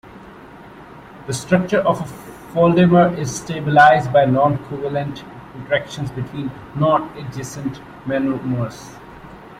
The structure of a foldamer is stabilized by noncovalent interactions between nonadjacent monomers.